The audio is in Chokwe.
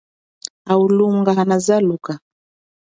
Awu lunga hana zaluka.